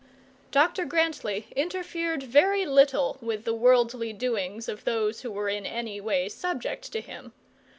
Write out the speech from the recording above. Dr Grantly interfered very little with the worldly doings of those who were in any way subject to him.